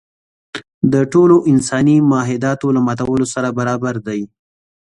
د ټولو انساني معاهداتو له ماتولو سره برابر دی.